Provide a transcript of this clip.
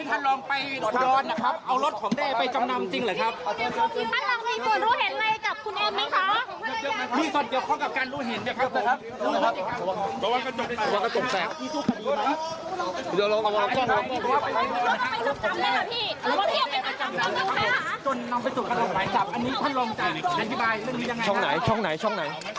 อันนี้ท่านลองใจแนะนำอธิบายช่องไหน